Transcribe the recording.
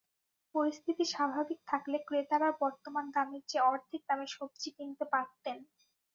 পরিস্থিতি স্বাভাবিক থাকলে ক্রেতারা বর্তমান দামের চেয়ে অর্ধেক দামে সবজি কিনতে পারতেন।